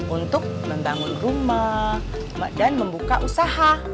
untuk membangun rumah dan membuka usaha